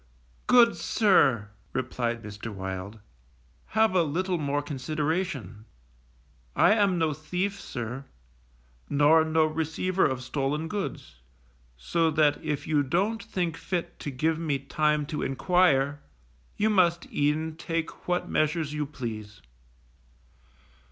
Good sir_, replied Mr. Wild, _have a little more consideration. I am no thief, sir, nor no receiver of stolen goods, so that if you don't think fit to give me time to enquire, you must e'en take what measures you please.